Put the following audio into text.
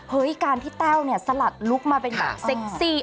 เฮ้ยการที่แต้วสลัดลุกมาเป็นแบบเซ็กซี่